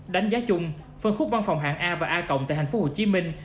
đánh giá chung phân khúc văn phòng hạng a và a tại thành phố hồ chí minh